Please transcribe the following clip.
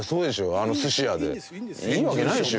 あのすし屋でいいわけないですよ